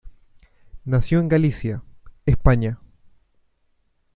Nació en Galicia, España.